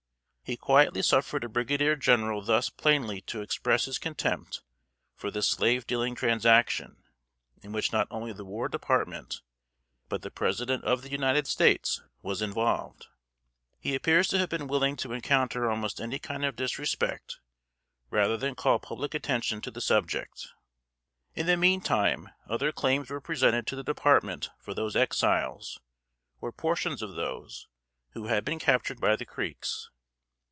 He quietly suffered a Brigadier General thus plainly to express his contempt for this slave dealing transaction, in which not only the War Department, but the President of the United States, was involved. He appears to have been willing to encounter almost any kind of disrespect, rather than call public attention to the subject. In the meantime other claims were presented to the Department for those Exiles, or portions of those, who had been captured by the Creeks.